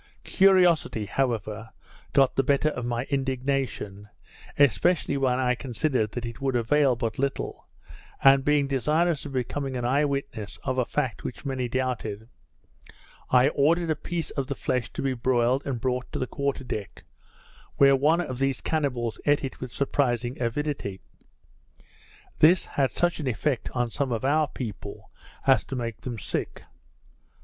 Curiosity, however, got the better of my indignation, especially when I considered that it would avail but little; and being desirous of becoming an eye witness of a fact which many doubted, I ordered a piece of the flesh to be broiled and brought to the quarter deck, where one of these cannibals eat it with surprising avidity. This had such an effect on some of our people as to make them sick.